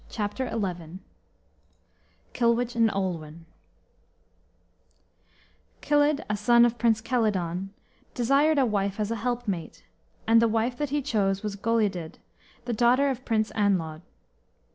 CHAPTER XI KILWICH AND OLWEN Kilydd, a son of Prince Kelyddon, desired a wife as a helpmate, and the wife that he chose was Goleudid, the daughter of Prince Anlawd.